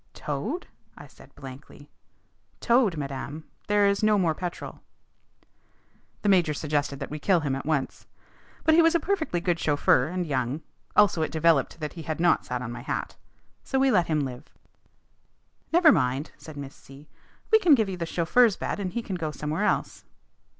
"Towed?" I said blankly. "Towed, madame. There is no more petrol." The major suggested that we kill him at once. But he was a perfectly good chauffeur and young. Also it developed that he had not sat on my hat. So we let him live. "Never mind," said Miss C ; "we can give you the chauffeur's bed and he can go somewhere else."